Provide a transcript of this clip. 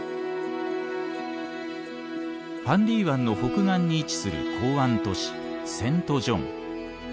ファンディ湾の北岸に位置する港湾都市セントジョン。